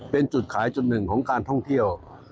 เป็นจุดขายจุดหนึ่งของการท่องเที่ยว